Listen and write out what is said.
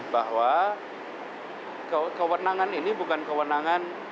bahwa kewenangan ini bukan kewenangan